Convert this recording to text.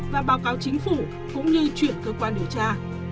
và báo cáo chính phủ cũng như chuyển cơ quan điều tra